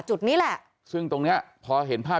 จุดนี้แหละซึ่งตรงเนี้ยพอเห็นภาพ